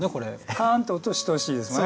カーンって音してほしいですね。